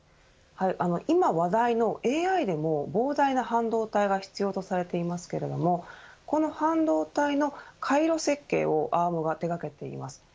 今話題のＡＩでも膨大な半導体が必要とされていますけれどもこの半導体の回路設計をアームが手掛けています。